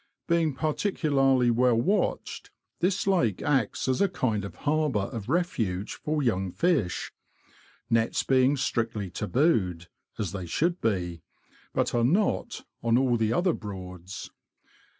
Being particularly well watched, this lake acts as a kind of harbour of refuge for young fish, nets being strictly tabooed — as they should be, but are not, on all the other Broads.